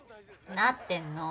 なってんの。